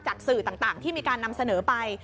สื่อต่างที่มีการนำเสนอไป